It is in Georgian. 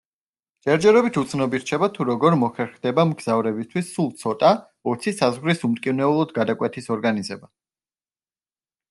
ჯერჯერობით უცნობი რჩება, თუ როგორ მოხერხდება მგზავრებისთვის, სულ ცოტა, ოცი საზღვრის უმტკივნეულოდ გადაკვეთის ორგანიზება.